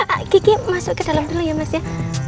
pak kiki masuk ke dalam dulu ya mas ya